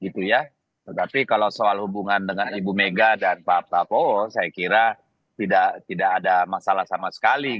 tetapi kalau soal hubungan dengan ibu mega dan pak prabowo saya kira tidak ada masalah sama sekali